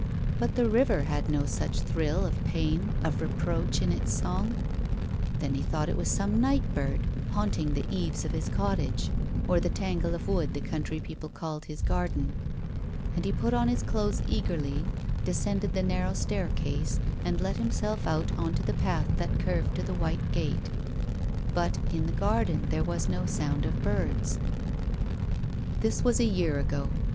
But the river had no such thrill of pain, of reproach in its song. Then he thought it was some night bird, haunting the eaves of his cottage, or the tangle of wood the country peo ple called his garden. And he put on his clothes eagerly, descended the narrow staircase, and let himself out on to the path that curved to the white gate. But, in the garden there was no sound of birds. This was a year ago.